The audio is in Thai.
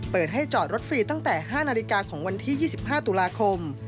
เปิดให้จอดรถฟรีตั้งแต่๕นาฬิกาของวันที่๒๕ตุลาคม